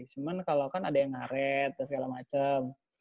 cuman kalo kan ada yang ngaret dan segala macem